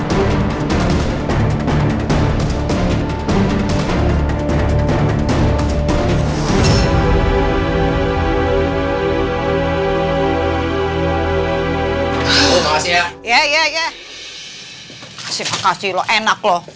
makasih makasih lo enak lo